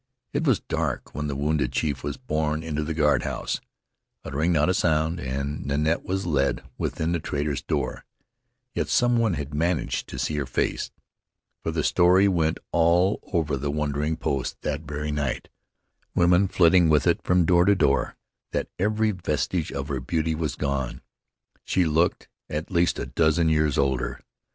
It was dark when the wounded chief was borne into the guard house, uttering not a sound, and Nanette was led within the trader's door, yet someone had managed to see her face, for the story went all over the wondering post that very night, women flitting with it from door to door, that every vestige of her beauty was gone; she looked at least a dozen years older.